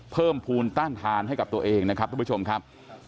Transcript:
เพิ่มภูมิต้านทานให้กับตัวเองนะครับทุกผู้ชมครับ